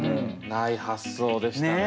ない発想でしたね。